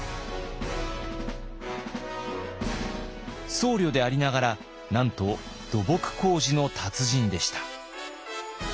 僧侶でありながらなんと土木工事の達人でした。